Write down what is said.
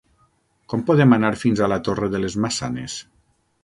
Com podem anar fins a la Torre de les Maçanes?